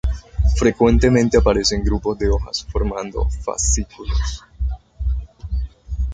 Frecuentemente aparecen grupos de hojas formando fascículos.